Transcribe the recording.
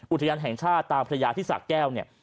อุทยานแห่งชาติตาพระยาที่สากแก้ว